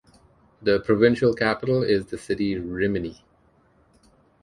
The provincial capital is the city Rimini.